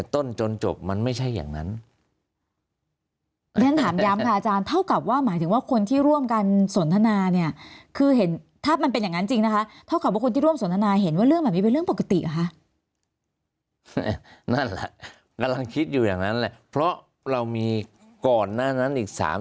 ทางคณะทำงานของอายการสั่งสอบเพิ่มเยอะไหมคะ